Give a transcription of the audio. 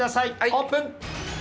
オープン。